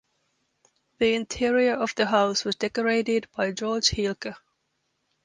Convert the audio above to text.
The interior of the house was decorated by Georg Hilker.